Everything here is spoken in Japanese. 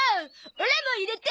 オラも入れて！